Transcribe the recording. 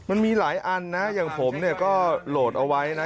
มันมีหลายอันนะอย่างผมเนี่ยก็โหลดเอาไว้นะ